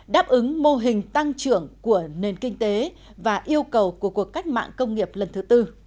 đáp ứng mô hình tăng trưởng của nền kinh tế và yêu cầu của cuộc cách mạng công nghiệp lần thứ tư